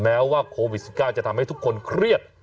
แม้ว่าโควิด๑๙จะทำให้ทุกคนเครียด